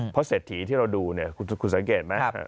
เพราะเศรษฐีที่เราดูเนี่ยคุณสังเกตไหม